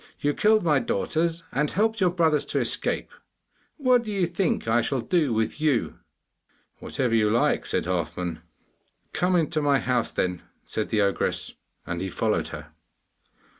You killed my daughters and helped your brothers to escape. What do you think I shall do with you?' 'Whatever you like!' said Halfman. 'Come into my house, then,' said the ogress, and he followed her.